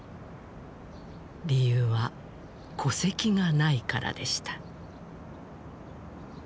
理由は戸籍がないからでした